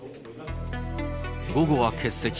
午後は欠席。